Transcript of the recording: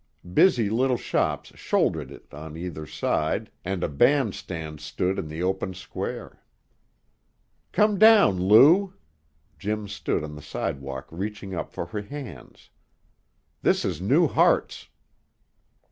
Busy little shops shouldered it on either side, and a band stand stood in the open square. "Come down, Lou." Jim stood on the sidewalk reaching up for her hands. "This is New Hartz." Mr.